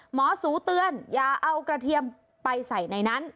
สูเตือนอย่าเอากระเทียมไปใส่ในนั้น